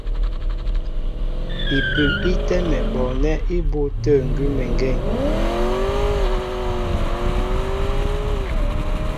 Ipʉ í tɛ́mɛ bɔɔnɛ́ ibû tə̂ ngʉ́mengeŋ.